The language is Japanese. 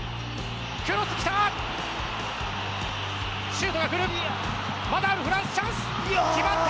クロス来た！